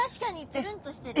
つるんとしてる。